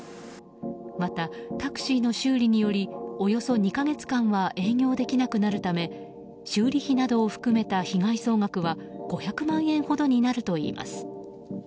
また、タクシーの修理によりおよそ２か月間は営業できなくなるため修理費などを含めた被害総額は５００万円ほどになるといいます。